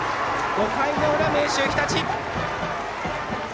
５回の裏、明秀日立！